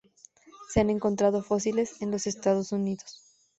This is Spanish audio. Se han encontrado fósiles en los Estados Unidos.